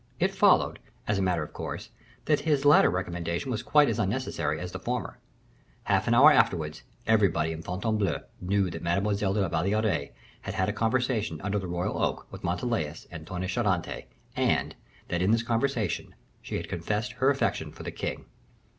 It followed, as a matter of course, that he latter recommendation was quite as unnecessary as the former. Half an hour afterwards, everybody in Fontainebleau knew that Mademoiselle de la Valliere had had a conversation under the royal oak with Montalais and Tonnay Charente, and that in this conversation she had confessed her affection for the king.